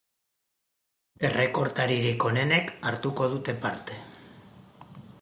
Errekortaririk onenek hartuko dute parte.